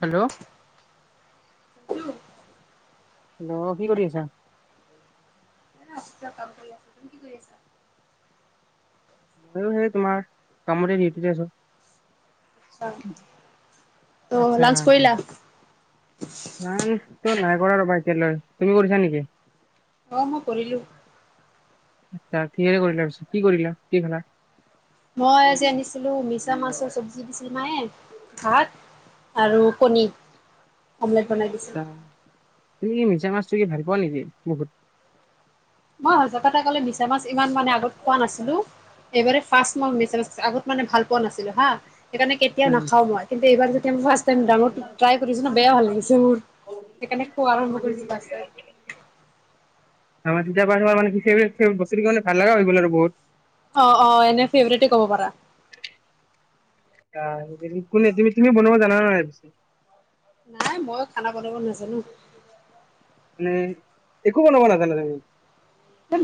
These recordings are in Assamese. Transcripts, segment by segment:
হেল্লো'। [unintelligible] হেল্লো' কি কৰি আছা? এই আছিলোঁ আহ কাম কৰি, তুমি কি কৰি আছা? মইয়ো সেই তোমাৰ কামতে ডিউটিতে আছোঁ। চা অ' লাঞ্চ কৰিলা? নাই তই নাই কৰা ৰবা এতিয়ালৈ তুমি কৰিছা নেকি? অহ' মই কৰিলোঁ। আহ কিহৰে কৰিলা পিছে, কি কৰিলা, কি খালা? মই আজি আনিছিলোঁ মিছা মাছৰ চব্জি দিছিলে মায়ে ভাত। আৰু কণী অমলেট বনাই দিছোঁ আচ্ছা [unintelligible] মাছটো কি ভাল পোৱা নিকি বহুত? মই সঁচা কথা ক'লে মিছা মাছ ইমান মানে আগত খোৱা নাছিলোঁ। এইবাৰে ফাৰ্ষ্ট মই মিছা মাছ আগত মানে ভাল পোৱা নাছিলোঁ হা। সেইকাৰণে কেতিয়া উম। নাখাওঁ মই, কিন্তু এইবাৰ যেতিয়া ফাৰ্ষ্ট টাইম ডাঙৰটো ট্ৰাই কৰিছোঁ ন! বেয়া ভাল লাগিছে মোৰ। সেইকাৰনে খোৱা আৰম্ভ কৰিছোঁ [unintelligible] [unintelligible] ভাল লগা হৈ গ'ল আৰু বহুত। অ', অ', এনে ফেভৰেটেই ক'ব পাৰা। [unintelligible] কোনে তুমি-তুমি বনাবা জানা নাই, পিছে? নাই মই খানা বনাব নাজানোঁ। [unintelligible] একো বনাব নাজনা তুমি?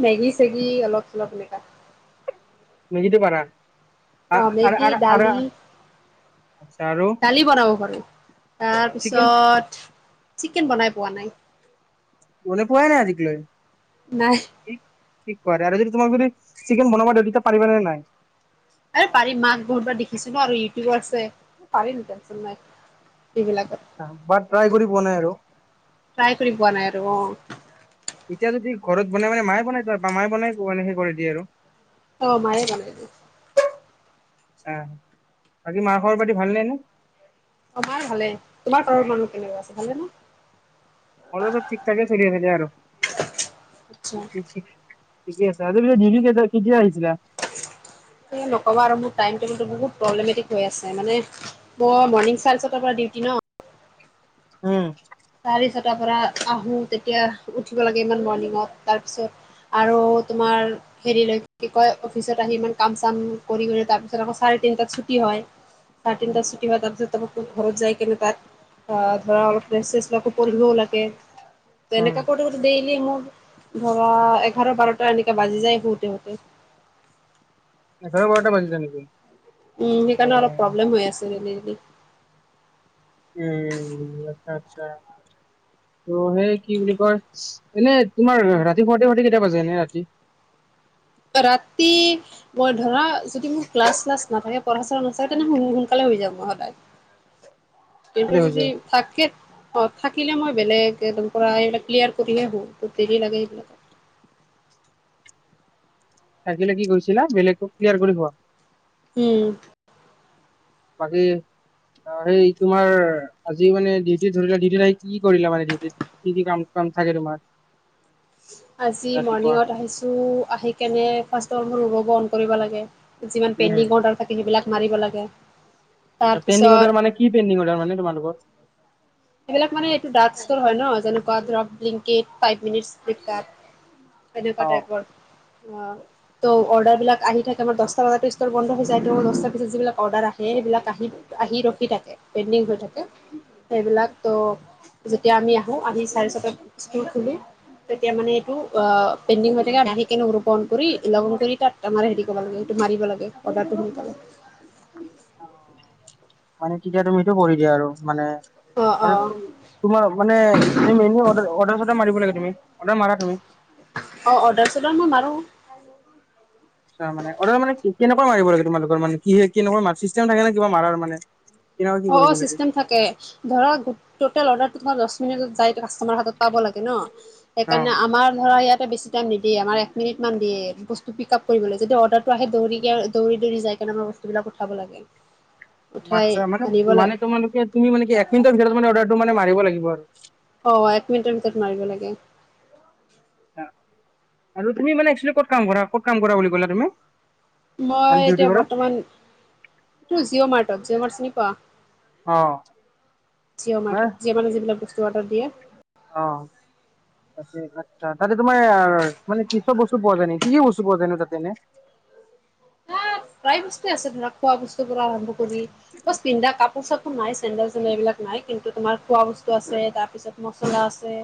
মেগী, চেগি অলপ, চলপ এনেকা মেগীটো পাৰা? আ অ', আৰু মেগী, আৰু আৰু দালি। আচ্ছা আৰু দালি বনাব পাৰোঁ, চিকেন তাৰপিছত চিকেন বনাই পোৱা নাই। বনাই পোৱাই নাই আজিক লৈ? নাই। কি কোৱা, আৰু যদি তোমাক যদি, চিকেন বনাব দিওঁ তেতিয়া পাৰিবা নে নাই? আৰে পাৰিম, মাক বহুতবাৰ দেখিছোঁ ন, আৰু ইউটিউব আছে, পাৰিম টেনশ্যন নাই। এইগিলাক বাত ট্ৰাই কৰি পোৱা নাই আৰু? ট্ৰাই কৰি পোৱা নাই আৰু, অ'। এতিয়া যদি ঘৰত বনাই মানে, মায়ে বনাই-মায়ে বনাই মানে হেৰি কৰি দিয়ে আৰু? অ', মায়েই বনাই দিয়ে। আ', বাকী মাৰ খবৰ পাতি ভাল নে এনেই? অ', মাৰ ভালেই, তোমাৰ ঘৰৰ মানুহ কেনেকুৱা আছে, ভালেনে? ঘৰৰ চব ঠিক-ঠাকেই চলি আছে দিয়া আৰু আচ্ছা ঠিকেই আছে, আজি পিছে ডিউটি কেইটা-কেতিয়া হৈছ এই নক'বা আৰু, মোৰ টাইম টেবুলটো বহুত প্ৰব্লেমেটিক হৈ আছে, মানে মোৰ মৰ্ণিং চাৰে ছটাৰ পৰা ডিউটি ন উম চাৰে ছটাৰ পৰা আহোঁ, তেতিয়া উঠিব লাগে ইমান মৰ্ণিঙত, তাৰপিছত আৰু তোমাৰ হেৰিলৈকে, কি কয়, অফিচত আহি ইমান কাম চাম কৰি-কৰি তাৰ পিছত আকৌ চাৰ তিনিটাত ছুটি হয় চাৰে তিনটাত ছুটি হয়, তাৰপিছত তাৰ পৰা গৈ ঘৰত যায় কিনে তাত আ, ধৰা অলপ ৰেষ্ট চেষ্ট আকৌ পঢ়িবও লাগে, উম তেনেকা কৰিওটো দে মোৰ ধৰা, এঘাৰ বাৰটা এনেকে বাজি যায় শুওঁতে শুওঁতে। এঘাৰ বাৰটা বাজিছে নেকি উম, অ সেইকাৰণে অলপ প্ৰব্লেম হৈ আছে মানে এনে। উম, আচ্ছা আচ্ছা, ত' সেই কি বুলি কয়, এনে তোমাৰ ৰাতি শুওঁতে শুওঁতে কেইটা বাজে এনেই ৰাতি? ৰাতি মই ধৰা যদি মোৰ ক্লাছ, শ্লাছ নাথাকে, পঢ়া [unintelligible] নাথাকে তেনে সোন-সোনকালে শুই যাওঁ মই সদায়। কিন্তু হৈ যদি যায় থাকে অ', থাকিলে মই বেলেগ একদম পুৰা এইবিলাক ক্লিয়াৰ কৰিহে শুৱ, দেৰি লাগে এইবিলাক। থাকিলে কি কৈছিলা? বেলেগ ক্লিয়াৰ কৰি শুৱা। উম। বাকী অ', সেই তোমাৰ আজি মানে ডিউটিত ধৰিলা ডিউটিত আহি, কি কৰিলা মানে ডিউটিত? কি, কি কাম থাকে তোমাৰ, আজি ৰাতিপুৱা? মৰ্ণিঙত আহিছোঁ আহি কেনে ফা্ষ্টৰ মোৰ ৰুবব অন কৰিব লাগে। যিমান উম। পেইণ্ডিং অৰ্ডাৰ থাকে সেইবিলাক মাৰিব লাগে। পেন্দিং তাৰপিছত অৰ্ডাৰ মানে কি পেণ্ডিং অৰ্ডাৰ মানে তোমালোকৰ? এইবিলাক মানে এইটো ডাৰ্ক স্তৰ হয় ন যেনেকুৱা ব্লিংকেত টাইপ মিনীত চেটাপ, [inaudible] এনেকোৱা টাইপৰ। অ, ত' অৰ্ডাৰ বিলাক আহি থাকে আমাৰ দচটা বজাটো ষ্টৰ বন্ধ হৈ যায় ত দহটা পিচত যিবিলাক অৰ্ডাৰ আহে, বিলাক আহি-আহি ৰখি থাকে পেইণ্ডিং হৈ থাকে সেইবিলাক ত, যেতিয়া আমি আহো আহি চাৰে ছটাত ষ্টল খোলো। তেতিয়া মানে এইটো অ, পেণ্ডিং হৈ থাকে কেনে ৰোপন কৰি লগিন কৰি তাত আমাৰ হেৰি কৰিব লাগে সেইটো মাৰিব লাগে অৰ্ডাৰটো সোনকালে। মানে তেতিয়া তুমটো কৰি দিয়া আৰু মানে। অ, অ আৰু তোমাৰ মানে ছেম মেনু অৰ্ডাৰ-অৰ্ডাৰ মতে মাৰিব লাগে তুমি অৰ্ডাৰ মাৰা তুমি। অ, অৰ্ডাৰ চৰ্দাৰ মই মাৰো। মানে অ, মানে কেনেকুৱা মাৰিব লাগে তোমালোকৰ মানে কি কেনেকুৱা চিষ্টেম থাকে নে কিবা মাৰৰ মানে। কেনেকৈ কি অ-অ কৰিব লাগে? চিষ্টেম থাকে ধৰক টোটেল অৰ্ডাৰ দচ মিনিত কাষ্টমাৰৰ হাতত পাব লাগে ন অ', সেইকাৰণে আমাৰ ধৰা ইয়াত এতা বেছি টাইম নিদিয়ে আমাৰ এক মিনিটমান দিয়ে বস্তু পিক আপ কৰিবলৈ যদি অৰ্ডাৰটো আহে দৌৰিকে দৌৰি-দৌৰি যায়। তেনেকুৱা বস্তুবিলাক উঠাব লাগে। উঠাই আচ্ছা, আনিব মানে-মানে লাগে। তোমালোকে তুমি মানে কি এক মিনিটৰ ভিতৰত মানে অৰ্ডাৰটো মানে মাৰিব লাগিব আৰু। অ, এক মিনিটৰ ভিতৰত মাৰিব লাগে। আৰু তুমি মানে ইক্সুৱেলি ক'ত কাম কৰা ক'ত কাম কৰা বুলি কলা তুমি? মানে মই ডিউটি এতিয়া কৰা বৰ্তমান এইটো জিঅ' মাৰ্টত জিঅ' মাৰ্ট চিনি পোৱা? অ জিঅ'মৰ্ট ত জিঅ মানে যিবিলাক বস্তু অৰ্ডাৰ দিয়ে। অ', আচ্ছা, তাতে তোমাৰ মানে কি চব বস্তু পোৱা যায় কি-কি বস্তু পোৱা যানো তাতে এনে? [unintelligible] হা প্ৰায় বস্তুযে আছে ধৰা খোৱা বস্তুৰ পৰা আৰম্ভ কৰি বছ পিন্ধা কাপ ৰ সাপুৰ নাই চেডেল-চেডেল এইবিলাক নাই কিন্তু তোমাৰ খোৱা বস্তু আছে তাৰপিছত মচলা আছে।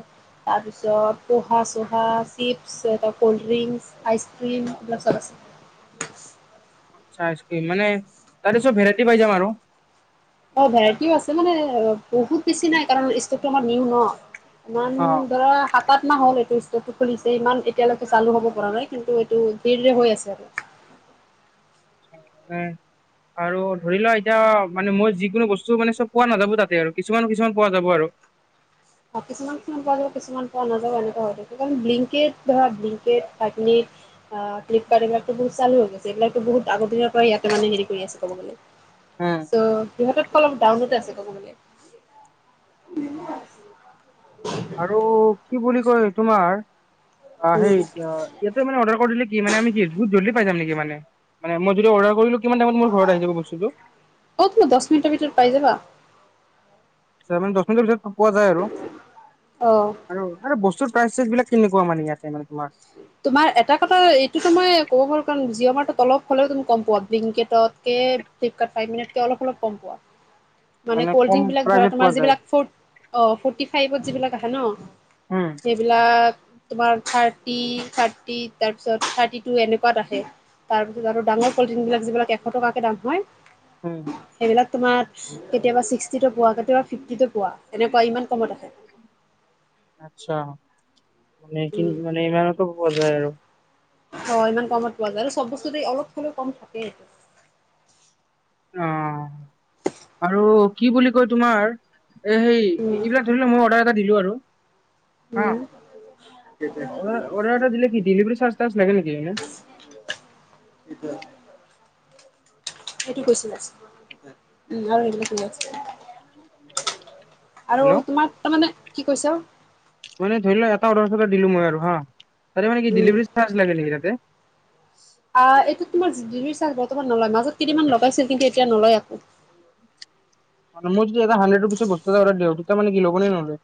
তাৰ পিছত পোহা চহা চিপছ এ কল্ড ড্ৰিংক আইচ ক্ৰীম এইবিলাক চব আছে। [inaudible] আচ্ছা আইচক্ৰীম মানে তাৰে চব ভেৰাইটি পাই যাম আৰু। অ, ভেৰাইটিও আছে মানে বহুত বেছি নাই কাৰণ ষ্টকটো আমাৰ নিউ ন। ইমান মানে ধৰা সাত আথ মাহ হ'ল এইটো। খুলিছে ইমান এতিয়ালৈকে চালু হ'ব পৰা নাই কিন্তু এইটো ধিৰে-ধিৰে হৈ আছে আৰু। [inaudible] উম, আৰু ধৰি লোৱা এতিয়া মানে মই যিকোনো বস্তু মানে চব পোৱা নাযাবো তাতে আৰু কিছুমান-কিছুমান পোৱা যাব আৰু। [inaudible] কিছুমান-কিছুমান পোৱা যাব কিছুমান পোৱা নাযাব এনেকুৱা হৈ থাকে ব্লিকিত ধৰা ব্লিংকিত, একনিক। অ, ফ্লিপকাৰ্ট এইবাক বহুচালু হৈ গৈছে এইবিলাকো বহুত আগ দিনৰ পৰা ইয়াতে মানে হেৰি কৰি আছে ক'ব গ'লে। উম চ' সিহঁতকৈ অলপ ডাউনত আছে ক'ব গলে। অ, আৰু কি বুলি কয় তোমাৰ? অ, সেই উম ইয়াতে মানে অৰ্ডাৰ কৰি দে কি মান আমি কি বহুত জল্ডি পাই যাম মানে মই যদি অৰ্ডাৰ কৰিলোঁ, কিমান টাইমত মোৰ ঘৰত আহি যাব বস্তুতো। অ তুমি দহ মিনিটৰ ভিতৰত পাই যাবা মানে দচ মিনিটৰ পিছত পোৱা যায় অ আৰু-আৰু বস্তুটো। প্ৰাইচেছ বিলাক কেনেকুৱা মানে ইয়াতে তোমাৰ তোমাৰ এটা কথা এইটোতো মই ক'ব কাৰণে জিঅ মাৰ্টত অলপ হ'লেও তুমি কমো পোৱা, ব্লিংকিটত, ফ্লিপকাৰ্ট ফাইফ মিনিটকৈ অলপ অলপ হ'লেও কম পোৱা। মানে কম কল্ড্ৰিং বিলাক ধৰা প্ৰাইজত পোৱা তোমাৰ যায় যিবিলাক অ' ফৰ্টি ফভত যিবিলাক আহে ন' উম সেইবিলাক তোমাৰ থাৰ্টি থাৰ্টি, থাৰ্টি তাৰপিছত থাৰ্টি টু এনেকুৱাত আহে, তাৰপিছত আৰু ডাঙৰ পলিথিন বিলাক যিবিলাক এশ টকাক কে দাম হয়। উম'। সেইবিলাক তোমাৰ কেতিয়াবা ছিক্সটিতো পোৱা, কেতিয়াবা ফিফটিতো পোৱা, এনেকুৱা ইমান কমত আহে। আচ্ছা মান কিন্তু মান ইমানমানত পোৱা যায় আৰু অ' ইমান কমত পোৱা যায় আৰু চব বস্তুতে অলপ হ'লেও কম থাকে এইটো। অ'। আৰু কি বুলি কয় তোমাৰ, এ হেই উম এইবিলাক ধৰি লোৱা মই অৰ্ডাৰ এটা দিলো আৰু হা, উম অৰ্ডাৰ এটা দিলে কি ডেলিভাৰী চাৰ্চ টো লাগে নেকি এনে। সিটো কৈছিল উম আৰু এইটো কৈছিল। আৰু হেল্ল' তোমাৰ তাৰ মানে কি কৈছা? মানে ধৰি ল' এটা অ' দিলো মই আৰু হা, ত মানে কি উম ডেলিভাৰী চাৰ্চ লাগে নেকি তাতে? অহ এইটো তোমাৰ ডেলিভাৰী চাৰ্জ বৰ্তমান নলয়, মাজত কেইদিনমান লগাইছিল কিন্তু এতিয়া নলয় আকৌ। [inaudible] মানে মোৰ যদি এটা হানড্ৰেড ৰুপিছ বস্তু এটা অৰ্ডাৰ দিও, তেতিয়া কি ল'ব নে নলয়।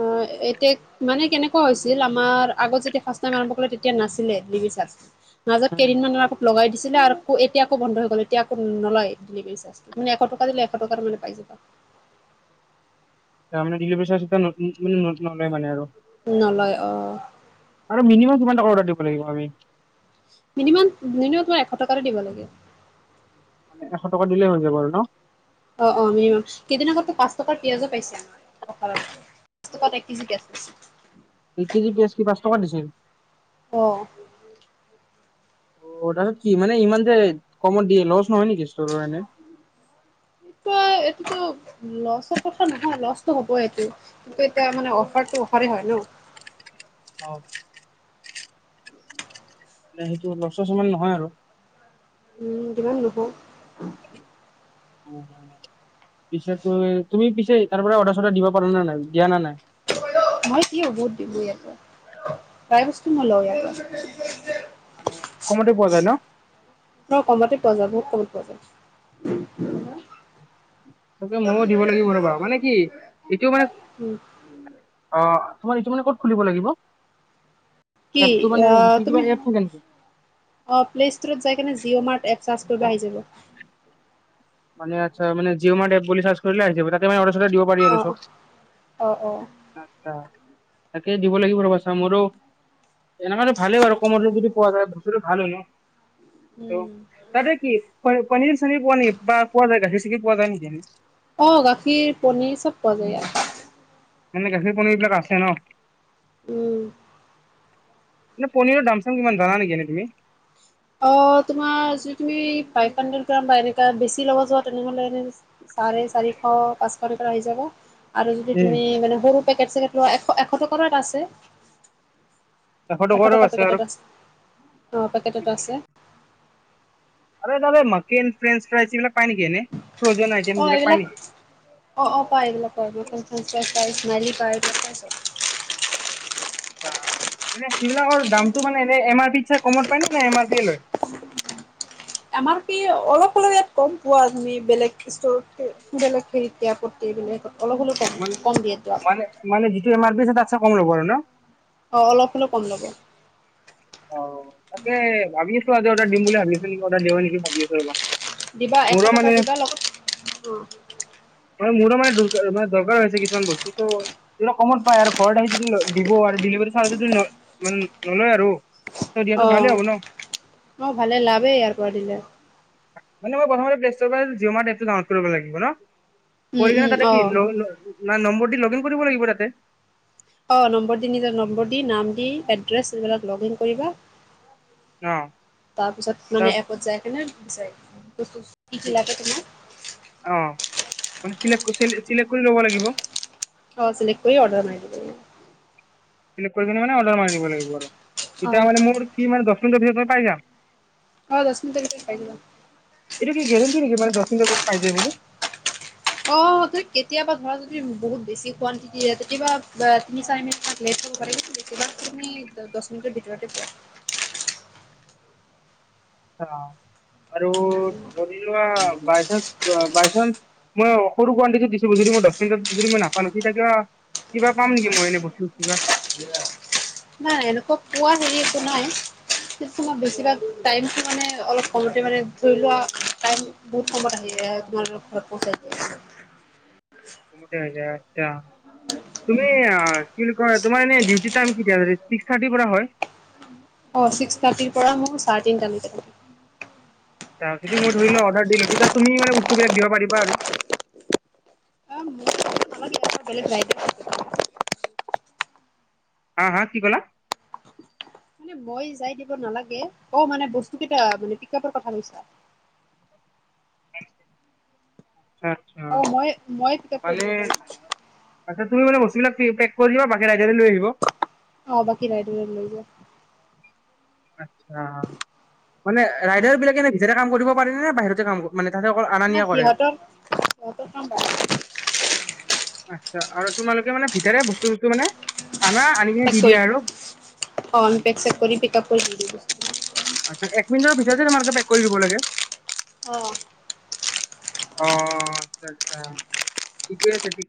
অ' এতিয়া মানে কেনেকুৱা হৈছিল, আমাৰ আগত যেতিয়া ফাৰ্ষ্ট টাইম আৰম্ভ কৰিলে, তেতিয়া নাছিলে [unintelligible] মাজত কেইদিনমানৰ আগত লগাই দি দিছিলে আকৌ এতিয়া আকৌ বন্ধ হৈ গ'ল, এতিয়া আকৌ নলয় ডেলিভাৰী চাৰ্জটো, তু এশ টকা দিলে এশ টকাৰ মানে পাই যাবা। তাৰমানে ডেলিভাৰী চাৰ্জ টো নতুন মানে নতুন নতুন নলয় আৰু নলয় অহ। আৰু মিনিমাম কিমান অৰ্ডাৰ দিব লাগিব আমি মিনমাম মম তোমাৰ এশ টকাটো দিব লাগে। মানে এশ টকা দিলেই হৈ যাব আৰু ন'। অ', -অ' মিনিমাম কেইদিন আগতো পাঁচ টকাৰ পিয়াজো পাইছে আমাৰ ক'ত দহ টকাত এক কেজি পিঁয়াজ পাইছো। এক কেজি পিঁয়াজ কি পাঁচ টকা দিছিল। অ'। অ' তাৰপিছত কি মানে ইমান যে কমত দিয়ে লছ ঈশ্বৰনে? এইটো, এইটোতো লছৰ কথা নহয়। লছটো হ'বই এইটো। কিন্তু এতিয়া মানে অফাৰতটো অফাৰে হয় ন'। ষ্টপ। মানে সেইটো লচচছ ইমান নহয় আৰু উম, কিমান দুখো উম'। পিছে তুমি পিছে তাৰ পৰা অৰ্ডাৰ-চৰ্ডাৰ দিব পাৰা নে নাই, দিয়া না নাই। মই কি অৰ্ডাৰ দিবো ইয়তে, প্ৰায় বস্তু মই লও ইয়াতে কমতে পোৱা যায় ন ন কমতে পোৱা যাব, বহুত কমত পোৱা যাব। [inaudible] চবে ময়ো দিব লাগিব ৰবা, মানে কি এইটো মানে উম অ' আমাৰ এইটো মানে ক'ত খুলিব লাগিব। কি এপটো মানে কি কিবা তুমি এপ থাকে নেকি প্লেষ্টৰত যাই কিনে জিঅ' মাৰ্ট এপপ চাৰ্জ তোৰ আহি যাব। মানে আচ্ছা মানে জিঅ' মাৰ্ট এপ বুলি চাৰ্চ কৰিলে আহি যাব। তাতে মানে অৰ্ডাৰ দিব পাৰি অ আৰু চব। অ অ তাকে দিব লাগিব ৰ'বা আছা মোৰো এনেকো ভালেই বাৰু কমৰ যদি পোৱা যায় বছুটো ভাল হয় ন অ উম তাতে কি পনীৰ চনীৰ পোৱা নে বা পোৱা যায় গাখীৰ চাখীৰ পোৱা যায় নেকি অ গাখীৰ পনিৰ চব পোৱা যায় ইয়াত এনে গাখীৰ পনীৰ এই বিলাক আছে ন। উম এ পনীৰৰ দাম চাম কিমান জানা নেকি এানই তুমি। অ তমাৰ বে লব যোৱা তেনেহ [inaudible] চাৰে চাৰিশ পাঁচশ টকাৰ আহি যাব। আৰু যদি এশ তুমি মানে সৰু পেকেট চেকেট লোৱা এশ এশ টকাৰো এাত আছে। এশ টকাৰো টকাৰ আছে আৰু পেকেটত আছে অ পেকেটত আছে। আ ত [unintelligible] মাকেন ফ্ৰেঞ্চ ফ্ৰাইিলাক পায় নেকি এনেই অ এইবিলাক অ' অ' পায় এইবিলাক পাই মছাইছ্মালি পাই [unintelligible] সেইবিলাকৰ দামতটো মানে এনে এম আৰ পিত চাই কমত পায় ন নে এম আৰ পি লয় [inaudible] আমাৰ কি অলপ হলেপ ইয়াত কম পোৱা তুমি বেলেগ ষ্ট বেলেগ হেত ইয়াৰ প্ৰতিত এইবিলাক অলপ হলেও কম কম দিয়ে যোৱা তমাৰ বেচছ তচছা [inaudible] কমল প ন অ অলপ হলেও কম ল'ব। অ তাকে ভাবি আছো্ আজি অৰ্ডাৰ দিম বুলি ভাব আছো। নেকি অৰ্ডাৰ দিও নেকি ভাবি আছো ৰ'বা। দিবা এশ মৰা টকা মানে দিবা লগত ম মোৰু মানে দকাৰ কিছুমান বস্তু কমত পাই আৰু ঘৰত আহি য দিব আৰু ডিভাৰী চাৰ্জ ইমান নলয় আৰু। ত দিয়াটো ভালেই অ' হ'ব ন ম ভালে লাভেই ইয়াৰ পৰা দিলে। মানেই প্ৰথমতে প্লেষ্ট জঅ' মাৰ এপ ডাউনোড কৰিব লাগিব ন। উম, উম, কৰিলেনে তাতে কি অ'। নম্বৰ দি লগ ইন কৰিব লাগিব তাতে। অ ন্বৰ দি নিজৰ নম্বৰ দি নাম দি এ কৰিবা অ তাৰপিছত তাৰ মানে এপত যায় কেনে কি কি লাগে তোমাৰ ানেেক্ট [inaudible] কৰি ল'ব লাগিব। অ চিলেক কৰি অৰ্ডাৰ মাৰি দি নে মানে অড্ৰাৰ মাৰি দিব লাগিব। আৰু তেতিয়া অ'। মানে মোৰ কি ম দ মিনিটৰ পাই যাম। অ দহ মিনিটৰ ভিতৰত পাই যাবা এটো কি গেৰেণ্টি নেকি মাৰ পে [inaudible] অ' কেতিয়াবা ধৰা যদি বহুত বেছি কণ্টিটিতিয়াবা তিনি চাৰ মি লেট তুমি দহ মিনিটৰ ভিতৰতে পোৱা। [inaudible] আৰু যদি লোৱা বাইন্সান্স বাইন্সন্স মই সৰু গুৱাটিটো দিছো যদি মই দহমিনটত যদি মই নাপানো সিতিাকা কিবা পাম নেকি মই এনে বস্তু কিবা। নাই এনেকুৱা পোৱা হেৰি একো নাই। বেছিভাগ টাইম মানে অলপ কমতে মানে ধৰি লোৱা টাইম বহুত কত আহি এৰ পচাই [inaudible] মঠ হৈ যায় এতিয়া [unintelligible] তুমি কি কয় তোমাৰ এনে ডিউটিতাম কিতিয়া হেৰিত ছিক্স থাৰ্টিৰ পৰা হয় অ' ছিক্স থাৰ্টিৰ পৰা মোক চাৰে তিনটা লৈকে। তাৰপিছত যদি মই ধৰি লোৱা অৰ্ডাৰ দিলো তেতিয়া তুমি মানে বস্তুবিলাক দিব পাৰিবা আৰু? অ মই দিবলে পাৰিম। হা হা কি ক'লা? ইনে মই যাই দিব নালাগে। অ' মানে বস্তু কেইটা মানে পিক আপৰ কথা কৈছা? [unintelligible] অ' মই মই পেক কৰি মানে দিব পাৰিম। তুমি মানে বস্তুবিলাক পেক কৰি দিবা বাকী ৰাইডাৰে লৈ আহিব। অ' বাকী ৰাইডি হল লৈ যোৱা। অ, ' মানে ৰাইডাৰ বিলাকে এনে ভিতৰতে কাম কৰিব পাৰে নে বাহিৰতে কাম মানে তাতে অকল আনা না নিয়া কৰে সিহঁতৰ সিহঁতৰ কাম বাদ, আতচ্ছা আৰু তোমালোকে মানে ভিতৰে বস্তু বস্তু মানে আনা আনি কিনে পেক দি দিয়া কৰি আৰু অ', আমি পেক চেক কৰি পিক আপ কৰি দি দিম। আচ্ছা এক মিনিটৰ ভিতৰতে তোমালোকে পেক কৰি দিব লাগে অ, '। অ' আতচ্ছা আতচ্ছা ঠিকেই আছে ঠিক